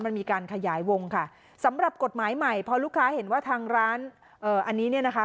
มันมีการขยายวงค่ะสำหรับกฎหมายใหม่พอลูกค้าเห็นว่าทางร้านเอ่ออันนี้เนี่ยนะคะ